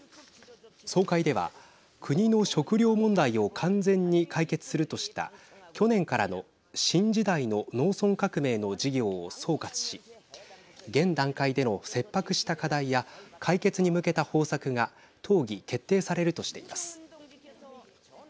総会では国の食料問題を完全に解決するとした去年からの新時代の農村革命の事業を総括し現段階での切迫した課題や解決に向けた方策が討議・決定されるとしています。